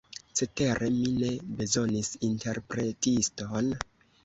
Cetere, mi ne bezonis interpretiston.